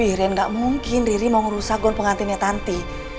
wih riri enggak mungkin riri mau ngerusak gaun pengantinnya tante